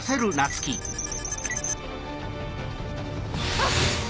あっ！